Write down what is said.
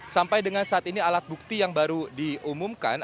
sampai dengan saat ini alat bukti yang baru diumumkan